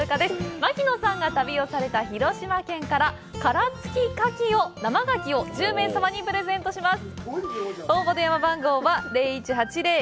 槙野さんが旅をされた広島県から殻付きカキを生ガキを１０名様にプレゼントします。